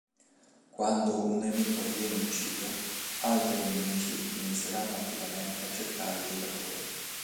Quando un nemico viene ucciso, altri nemici inizieranno attivamente a cercare il giocatore.